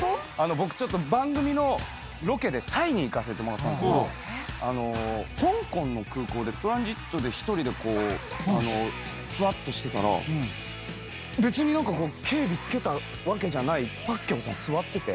僕ちょっと番組のロケでタイに行かせてもらったんですけど香港の空港でトランジットで１人でこうふらっとしてたら別に警備付けたわけじゃないパッキャオさん座ってて。